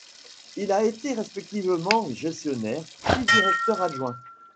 Il a été respectivement gestionnaire, puis Directeur Adjoint.